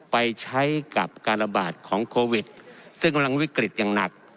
ไปใช้กับการระบาดของโควิดซึ่งกำลังวิกฤตอย่างหนัก